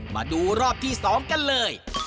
มาดูรอบที่๒กันเลย